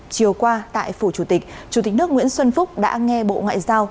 chiều qua tại phủ chủ tịch chủ tịch nước nguyễn xuân phúc đã nghe bộ ngoại giao